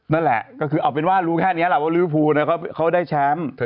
นั่นแหละก็คือเอาเป็นว่ารู้แค่นี้แหละว่าริวภูเขาได้แชมป์